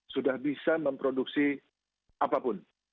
sudah bisa memproduksi apapun